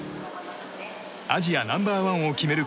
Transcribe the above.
アジアナンバー１を決める